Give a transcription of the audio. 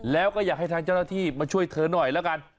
แล้วก็อยากให้ทางเจ้าหน้าที่มาช่วยเธอหน่อยแล้วกัน